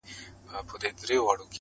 چي هغه نه وي هغه چــوفــــه اوســــــي ـ